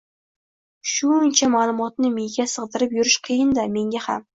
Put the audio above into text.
Shu-u-uncha ma`lumotni miyaga sig`dirib yurish qiyin-da, menga ham